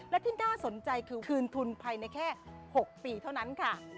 และที่น่าสนใจคือคืนทุนภายในแค่๖ปีเท่านั้นค่ะ